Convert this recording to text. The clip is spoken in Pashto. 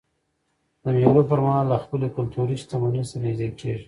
د مېلو پر مهال خلک له خپلي کلتوري شتمنۍ سره نيژدې کېږي.